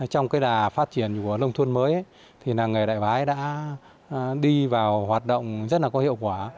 trong cái đà phát triển của nông thôn mới thì làng nghề đại bái đã đi vào hoạt động rất là có hiệu quả